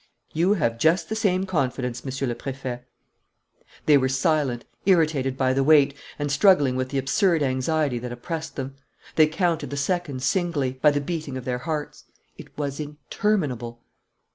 "You have just the same confidence, Monsieur le Préfet." They were silent, irritated by the wait, and struggling with the absurd anxiety that oppressed them. They counted the seconds singly, by the beating of their hearts. It was interminable.